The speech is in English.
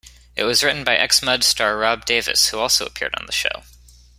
It was written by ex-Mud star Rob Davis, who also appeared on the show.